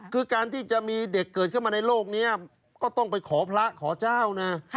คือการที่จะมีเด็กเกิดขึ้นมาในโลกนี้ก็ต้องไปขอพระขอเจ้านะ